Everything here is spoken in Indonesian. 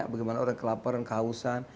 bagaimana orang kelaparan kehausan